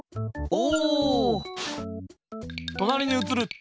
お！